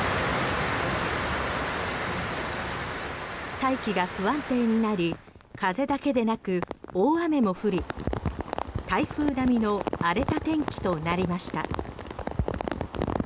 大気が不安定になり風だけでなく雨も降り台風並みの荒れた天気となりました。